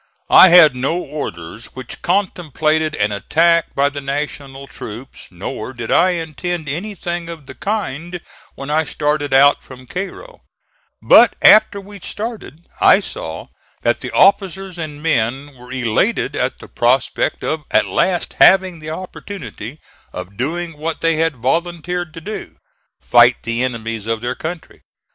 I had no orders which contemplated an attack by the National troops, nor did I intend anything of the kind when I started out from Cairo; but after we started I saw that the officers and men were elated at the prospect of at last having the opportunity of doing what they had volunteered to do fight the enemies of their country.